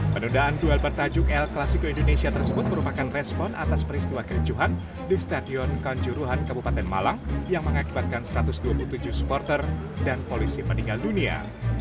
penundaan duel bertajuk el clasico indonesia tersebut merupakan respon atas peristiwa kericuhan di stadion kanjuruhan kabupaten malang yang mengakibatkan satu ratus dua puluh tujuh supporter dan polisi meninggal dunia